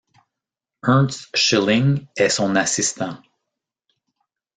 Ernst Schilling est son assistant.